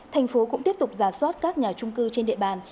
thành phố cũng tiếp tục giả soát các nhà trung cư trên địa bàn